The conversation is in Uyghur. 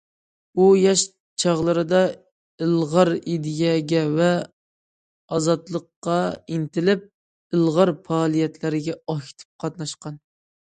ئۇ ياش چاغلىرىدا ئىلغار ئىدىيەگە ۋە ئازادلىققا ئىنتىلىپ، ئىلغار پائالىيەتلەرگە ئاكتىپ قاتناشقان.